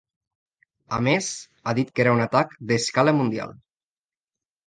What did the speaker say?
A més, ha dit que era un atac ‘d’escala mundial’.